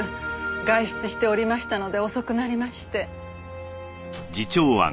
外出しておりましたので遅くなりまして。